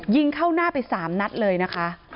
ยิงเข้าหน้าไป๓นัดเลยนะคะ